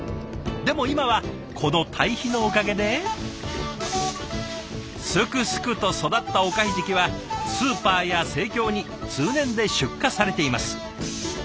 でも今はこの堆肥のおかげですくすくと育ったおかひじきはスーパーや生協に通年で出荷されています。